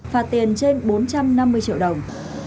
phạt tiền trên bốn trăm năm mươi triệu đồng